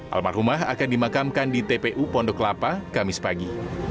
almarhumah akan dimakamkan di tpu pondok lapa kamis pagi